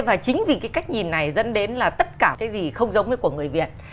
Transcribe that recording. và chính vì cái cách nhìn này dẫn đến là tất cả cái gì không giống với của người việt